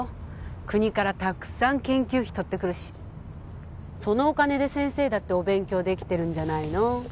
国からたくさん研究費取ってくるしそのお金でセンセだって勉強できてるんじゃないの？